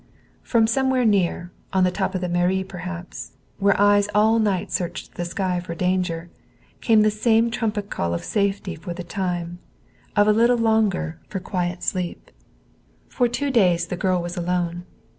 From somewhere near, on top of the mairie perhaps, where eyes all night searched the sky for danger, came the same trumpet call of safety for the time, of a little longer for quiet sleep. For two days the girl was alone.